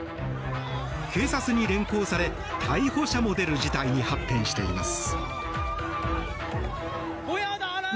警察に連行され逮捕者も出る事態に発展しています。